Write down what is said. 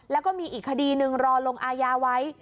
แล้วก็มีอีกคดีหนึ่งรอลงอาญาไว้